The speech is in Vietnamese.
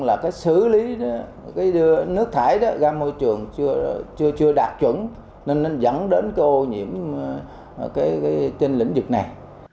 là cái xử lý cái nước thải đó ra môi trường chưa đạt chuẩn nên nó dẫn đến cái ô nhiễm trên lĩnh vực này